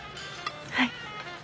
はい。